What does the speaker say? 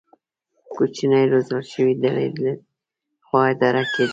کوچنۍ روزل شوې ډلې له خوا اداره کېده.